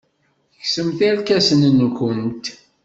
Kksemt irkasen-nwent.